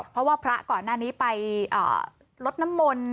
เพราะว่าพระก่อนหน้านี้ไปลดน้ำมนต์